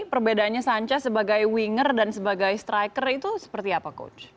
perbedaannya sanca sebagai winger dan sebagai striker itu seperti apa coach